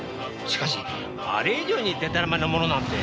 しかしあれ以上にでたらめなものなんて。